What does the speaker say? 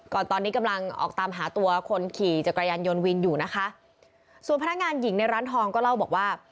ตอนนี้กำลังออกตามหาตัวคนขี่จักรยานยนต์วินอยู่นะคะส่วนพนักงานหญิงในร้านทองก็เล่าบอกว่า